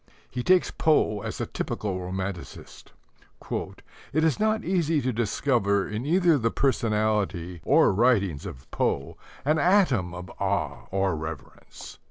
He takes Poe as a typical romanticist. "It is not easy to discover in either the personality or writings of Poe an atom of awe or reverence.